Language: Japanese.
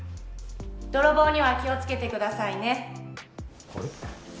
泥棒には気をつけてくださいねあれ？